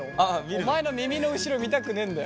お前の耳の後ろ見たくねえんだよ！